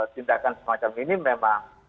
tindakan semacam ini memang